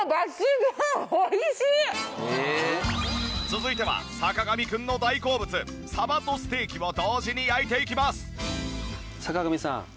続いては坂上くんの大好物サバとステーキを同時に焼いていきます。